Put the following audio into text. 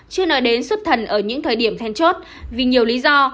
chưa nói đến xuất thần ở những thời điểm then chốt vì nhiều lý do